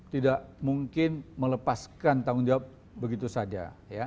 tidak mungkin melepaskan tanggung jawab begitu saja